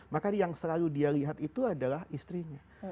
maka yang selalu dia lihat itu adalah istrinya